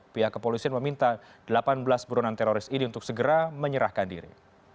pihak kepolisian meminta delapan belas burunan teroris ini untuk segera menyerahkan diri